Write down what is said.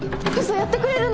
やってくれるの！？